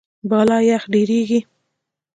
بالا یخ ډېریږي.